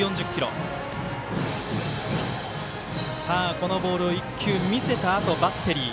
このボールを一球見せたあと、バッテリー。